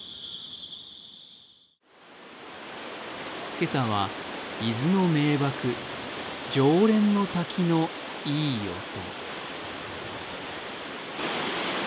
今朝は伊豆の名ばく、浄蓮の滝のいい音。